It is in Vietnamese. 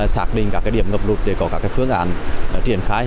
xác định các điểm ngập lụt để có các phương án triển khai